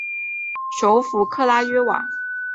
首府克拉约瓦。